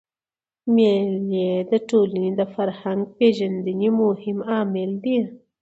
مېلې د ټولني د فرهنګ پېژندني مهم عامل دئ.